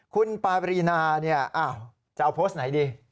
คุณปารีนาจะเอาโพสต์ไหนดี